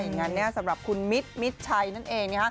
งานนี้สำหรับคุณมิตรมิดชัยนั่นเอง